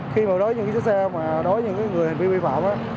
khi mà đối với những xe xe mà đối với những người hành vi vi phạm á